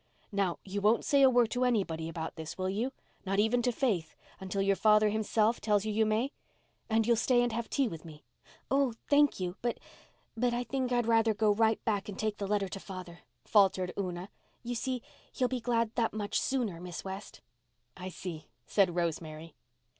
Now, you won't say a word to anybody about this, will you—not even to Faith, until your father himself tells you you may? And you'll stay and have tea with me?" "Oh, thank you—but—but—I think I'd rather go right back and take the letter to father," faltered Una. "You see, he'll be glad that much sooner, Miss West." "I see," said Rosemary.